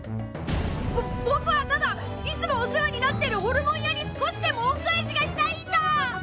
ぼぼくはただいつもお世話になってるホルモン屋に少しでも恩返しがしたいんだ！